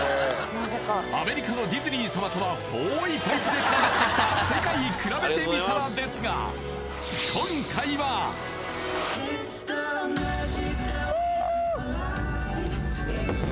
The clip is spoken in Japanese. アメリカのディズニー様とは太いパイプでつながってきた「世界くらべてみたら」ですがお！